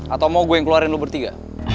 atau mau gue yang keluarin lu bertiga